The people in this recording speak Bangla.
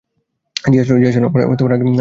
জি, আসলে, আমরা আগে কখনো করি নাই।